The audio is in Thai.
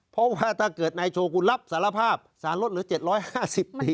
เพราะว่าถ้าเกิดในโชว์กูรับสารภาพสารลดเหลือเจ็ดร้อยห้าสิบปี